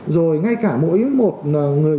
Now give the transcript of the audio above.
rồi ngay cả mỗi một người